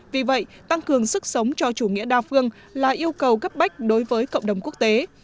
vì vậy tăng cường sức sống cho chủ nghĩa đa phương là yêu cầu gấp bách đối với cộng đồng quốc tế